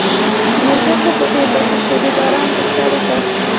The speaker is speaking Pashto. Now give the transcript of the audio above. نو ځکه په دوی پسې شو د باران غوښتلو ته.